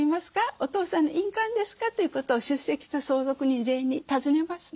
お父さんの印鑑ですか？」ということを出席した相続人全員に尋ねますね。